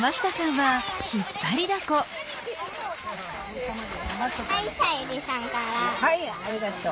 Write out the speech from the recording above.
はいありがとう。